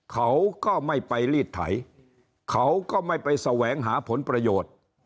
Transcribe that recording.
เขาก็ไม่ไปลีดไถเขาก็ไม่ไปแสวงหาผลประโยชน์